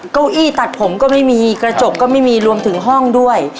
เก้าอี้ตัดผมก็ไม่มีกระจกก็ไม่มีรวมถึงห้องด้วย